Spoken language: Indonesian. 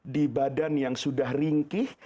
di badan yang sudah ringkih